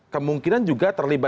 kemungkinan juga terlibat